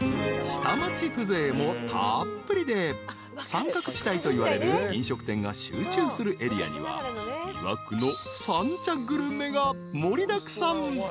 ［三角地帯といわれる飲食店が集中するエリアには魅惑の三茶グルメが盛りだくさん］